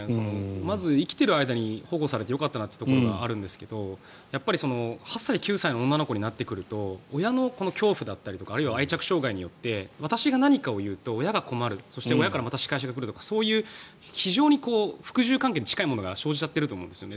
まず生きている間に保護されてよかったなというところがあるんですが８歳、９歳の女の子になってくると、親の恐怖とかあるいは愛着障害によって私が何かを言うと親が困るそして親からまた仕返しが来るとかそういう非常に服従関係に近いものが生じちゃってると思うんですよね。